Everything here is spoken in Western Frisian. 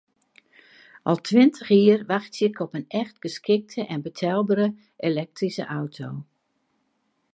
Al tweintich jier wachtsje ik op in echt geskikte en betelbere elektryske auto.